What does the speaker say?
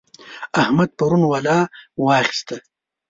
احمد پرون ولا واخيسته.